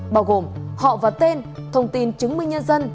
bao gồm họ và tên thông tin chứng minh nhân dân